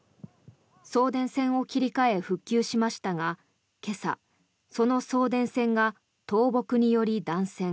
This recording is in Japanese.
送電線を切り替え復旧しましたが今朝、その送電線が倒木により断線。